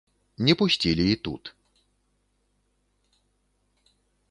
Не пусцілі і тут.